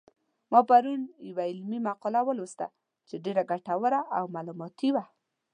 ما پرون یوه علمي مقاله ولوستله چې ډېره ګټوره او معلوماتي وه